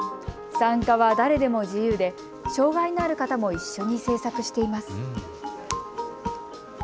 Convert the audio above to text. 参加は誰でも自由で障害のある方も一緒に制作しています。